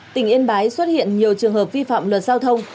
tỉnh yên bái xuất hiện nhiều trường hợp vi phạm luật giao thông